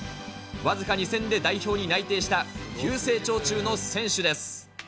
僅か２戦で代表に内定した急成長中の選手です。